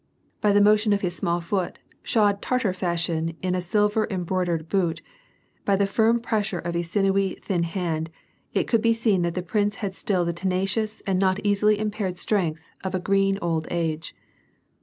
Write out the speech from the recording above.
By the motion of his small foot, shod Tatar fashion in a sil ver embroidered boot, by the firm pressure of his sinewy, thin hand, it could be seen that the prince had still the tenacious and not easily impaired strength of a green old age.